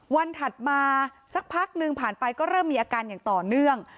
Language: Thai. ถัดมาสักพักหนึ่งผ่านไปก็เริ่มมีอาการอย่างต่อเนื่อง